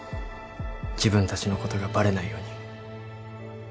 自分たちのことがバレないように。